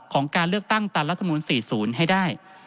การเลือกตั้งตามรัฐมนูล๔๐ให้ได้